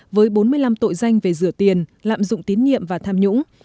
với bốn mươi năm tội danh về rửa tiền lạm dụng tín nhiệm và tham nhũng